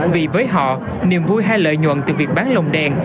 vì với họ niềm vui hay lợi nhuận từ việc bán lồng đèn